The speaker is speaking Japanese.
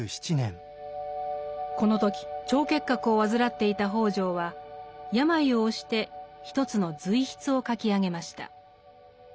この時腸結核を患っていた北條は病を押して一つの随筆を書き上げました。